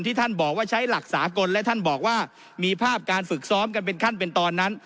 ท่านบอกว่าใช้หลักสากลและท่านบอกว่ามีภาพการฝึกซ้อมกันเป็นขั้นเป็นตอนนั้น